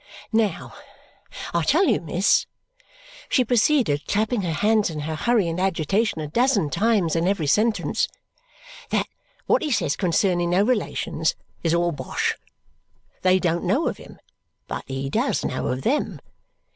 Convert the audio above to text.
"Now, I tell you, miss," she proceeded, clapping her hands in her hurry and agitation a dozen times in every sentence, "that what he says concerning no relations is all bosh. They don't know of him, but he does know of them.